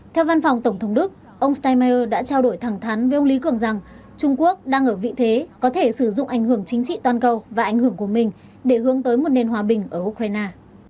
theo văn phòng tổng thống đức ông stemmeier đã trao đổi thẳng thắn với ông lý cường rằng trung quốc đang ở vị thế có thể sử dụng ảnh hưởng chính trị toàn cầu và ảnh hưởng của mình để hướng tới một nền hòa bình ở ukraine